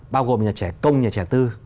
bao gồm nhà trẻ công nhà trẻ tư